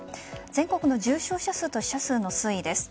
全国の重症者数と死者数の推移です。